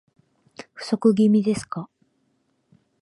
不足気味ですか